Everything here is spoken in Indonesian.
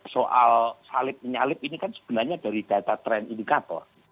soal salib menyalip ini kan sebenarnya dari data tren indikator